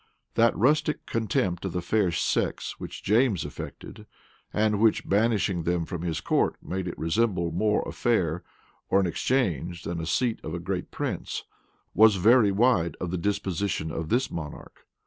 That rustic contempt of the fair sex which James affected, and which, banishing them from his court, made it resemble more a fair or an exchange than the seat of a great prince, was very wide of the disposition of this monarch.